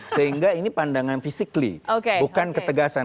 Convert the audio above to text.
sehingga ini pandangan fisikly bukan ketegasan